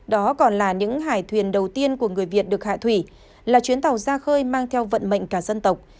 đó còn là những hải thuyền đầu tiên của người việt được hạ thủy là chuyến tàu ra khơi mang theo vận mệnh cả dân tộc